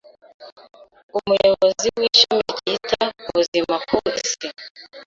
Umuyobozi w’ishami ryita ku buzima ku isi